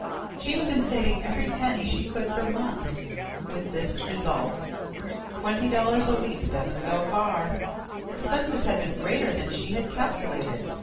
She had been saving every penny she could for months, with this result. Twenty dollars a week doesn't go far. Expenses had been greater than she had calculated.